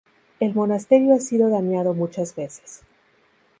El monasterio ha sido dañado muchas veces.